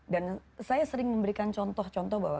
dan saya sering memberikan contoh contoh bahwa